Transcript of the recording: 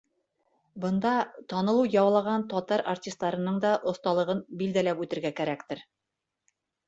Бында танылыу яулаған татар артистарының да оҫталығын билдәләп үтергә кәрәктер.